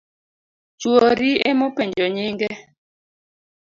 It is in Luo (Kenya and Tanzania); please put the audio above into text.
Chuori emopenjo nyinge.